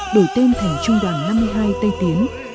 đổi tên thành trung đoàn năm mươi hai tây tiến